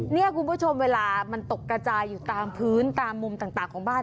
เนี่ยคุณผู้ชมเวลามันตกกระจายอยู่ตามพื้นตามมุมต่างของบ้าน